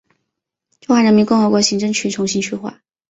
中华人民共和国行政区重新区划。